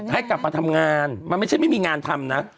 ให้กลับมาทำงานมันไม่ใช่ไม่มีงานทำนะ